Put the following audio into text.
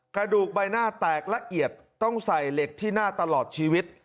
กระดูกใบหน้าแตกละเอียดต้องใส่เหล็กที่หน้าตลอดชีวิต